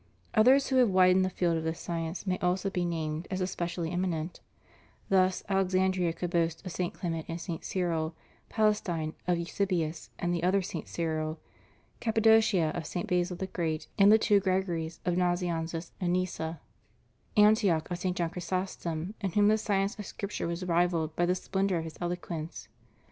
Others who have widened the field of this science may also be named, as especially eminent; thus, Alexandria could boast of St. Clement and St. Cyril; Palestine, of Eusebius and the other St. Cyril; Cappadocia, of St. Basil the Great and the two Gregories, of Nazianzus and Nyssa; Antioch, of St. John Chrysostom, in whom the science of Scripture was rivalled by the splendor of his eloquence.